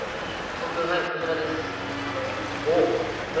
僕はいこちらですおっ何？